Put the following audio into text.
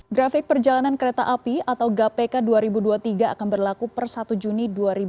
grafik perjalanan kereta api atau gapk dua ribu dua puluh tiga akan berlaku per satu juni dua ribu dua puluh